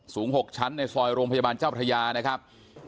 สูง๖ชั้นในซอยโรงพยาบาลเจ้าพระยานะครับ